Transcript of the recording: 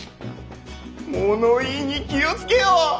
物言いに気を付けよ。